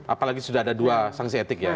apalagi sudah ada dua sanksi etik ya